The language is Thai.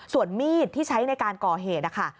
ส่วนมีดที่ใช้ในการก่อเหตุนะคะ